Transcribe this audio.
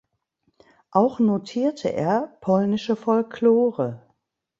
Auch notierte er polnische Folklore.